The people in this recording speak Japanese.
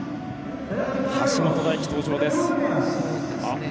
橋本大輝、登場です。